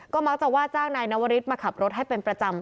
มักจะว่าจ้างนายนวริสมาขับรถให้เป็นประจำ